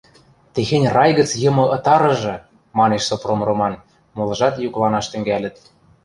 — Техень рай гӹц йымы ытарыжы! — манеш Сопром Роман, молыжат юкланаш тӹнгӓлӹт.